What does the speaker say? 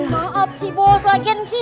maaf si bos lagian si